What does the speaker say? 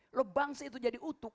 kalau bangsa itu jadi utuh